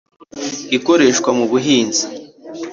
ikoreshwa mu buhinzi